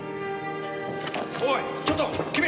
おいちょっと君！